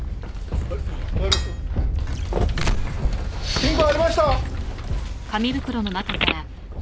金庫ありました！